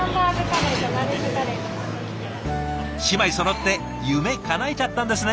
姉妹そろって夢かなえちゃったんですね。